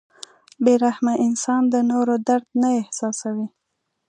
• بې رحمه انسان د نورو درد نه احساسوي.